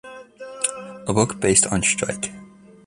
A book based on Strike!